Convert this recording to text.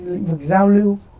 lĩnh vực giao lưu